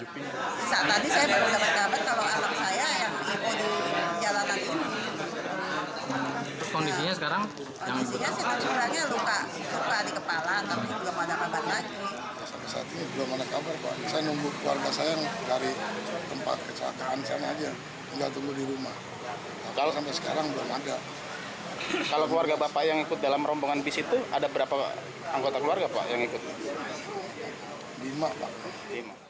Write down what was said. kalau keluarga bapak yang ikut dalam rombongan bis itu ada berapa anggota keluarga yang ikut